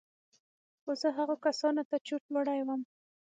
خو زه هغو کسانو ته چورت وړى وم.